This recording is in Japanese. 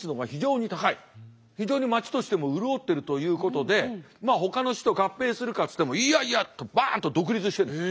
非常に町としても潤ってるということでほかの市と合併するかっつってもいやいやとバンと独立してるんです。